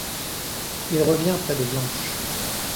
Il revient près de Blanche.